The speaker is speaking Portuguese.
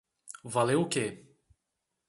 Valeu o quê?